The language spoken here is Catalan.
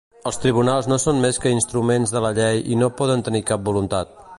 Els tribunals no són més que instruments de la llei i no poden tenir cap voluntat.